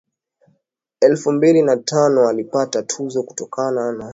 elfu mbili na tano alipata tuzo kutokana na kutukuza muziki na utamaduni wa Zanzibar